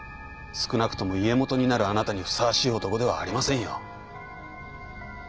少なくとも家元になるあなたにふさわしい男ではありませんよ。